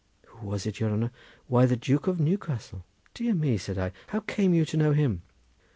"Who was it, your honour? why, the Duke of Newcastle." "Dear me!" said I; "how came you to know him?"